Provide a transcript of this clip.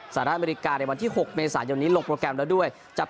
สหรัฐอเมริกาในวันที่๖เมษายนนี้ลงโปรแกรมแล้วด้วย